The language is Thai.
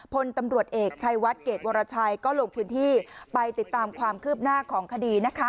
พลตำรวจเอกชัยวัดเกรดวรชัยก็ลงพื้นที่ไปติดตามความคืบหน้าของคดีนะคะ